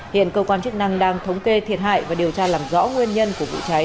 hiện cơ quan chức năng đang thống kê thiệt hại và điều tra làm rõ nguyên nhân của vụ cháy